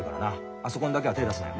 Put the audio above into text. あそこにだけは手出すなよ。